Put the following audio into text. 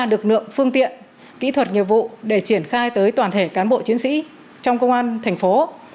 lực lượng phương tiện kỹ thuật nghiệp vụ để triển khai tới toàn thể cán bộ chiến sĩ trong công an thành phố